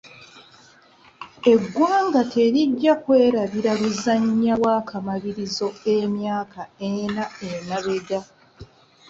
Eggwanga terijja kwerabira luzannya lw'akamalirizo emyaka ena emabega.